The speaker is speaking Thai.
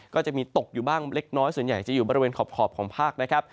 ก็จะมีตกอยู่บ้างเล็กน้อยส่วนใหญ่จะอยู่บริเวณขอบของภาคนะครับ